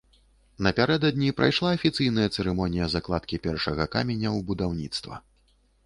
Напярэдадні прайшла афіцыйная цырымонія закладкі першага каменя ў будаўніцтва.